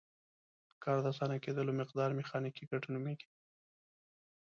د کار د اسانه کیدلو مقدار میخانیکي ګټه نومیږي.